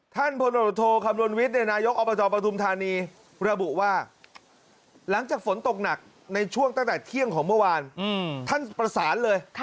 ท่านพลตำรวจโทคำนวณวิทย์นายกอบจปฐุมธานีระบุว่าหลังจากฝนตกหนักในช่วงตั้งแต่เที่ยงของเมื่อวานท่านประสานเลย